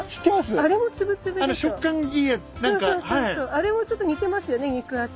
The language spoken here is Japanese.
あれもちょっと似てますよね肉厚で。